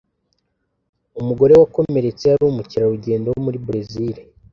Umugore wakomeretse yari umukerarugendo wo muri Berezile